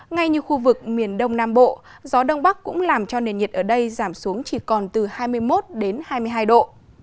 ngay như khu vực miền đông nam bộ gió đông bắc cũng làm cho nền nhiệt ở đây giảm xuống chỉ còn từ hai mươi một đến hai mươi hai độ